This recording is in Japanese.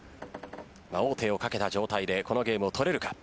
王手をかけた状態でこのゲームを取れるか。